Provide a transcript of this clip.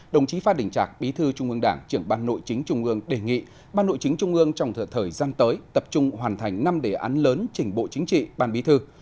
đồng chí phan đình trạc bí thư trung ương đảng trưởng ban nội chính trung ương đề nghị ban nội chính trung ương trong thời gian tới tập trung hoàn thành năm đề án lớn trình bộ chính trị ban bí thư